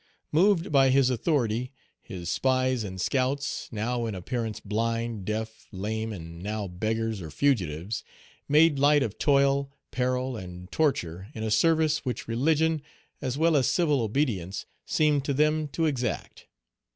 Moved by his authority, his Page 205 spies and scouts, now in appearance blind, deaf, lame, and now beggars or fugitives, made light of toil, peril, and torture in a service which religion, as well as civil obedience, seemed to them to exact.